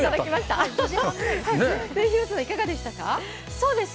広瀬さんはいかがでしたか。